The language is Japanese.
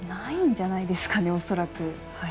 ないんじゃないすかね恐らく。